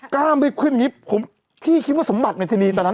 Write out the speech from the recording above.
กล้ามได้ขึ้นอย่างนี้ผมพี่คิดว่าสมบัติเมธินีตอนนั้น